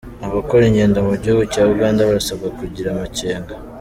Abakora ingendo mu gihugu cya Uganda barasabwa kugira amakenga